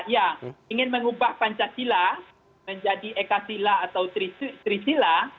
yang ingin mengubah pancasila menjadi ekasila atau trisila